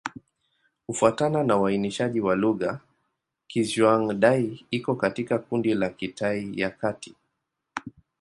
Kufuatana na uainishaji wa lugha, Kizhuang-Dai iko katika kundi la Kitai ya Kati.